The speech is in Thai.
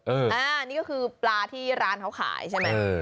เอออ่านี่ก็คือปลาที่ร้านเขาขายใช่ไหมเออ